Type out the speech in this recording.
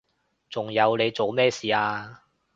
仲有你做咩事啊？